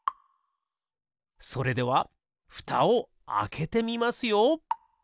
それではふたをあけてみますよ。